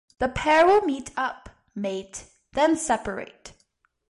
The pair will meet up, mate, then separate.